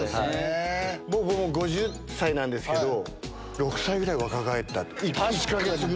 僕もう５０歳なんですけど、６歳ぐらい若返った、１か月ぐら